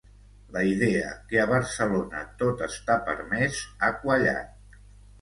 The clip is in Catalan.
La idea que a Barcelona tot està permès ha cuallat